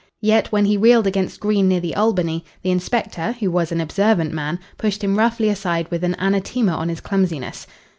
Yet, when he reeled against Green near the Albany, the inspector, who was an observant man, pushed him roughly aside with an anathema on his clumsiness.